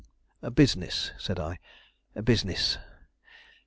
"Business," said I, "business.